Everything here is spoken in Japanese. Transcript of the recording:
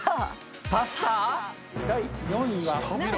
パスタ⁉第４位は。